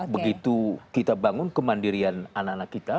begitu kita bangun kemandirian anak anak kita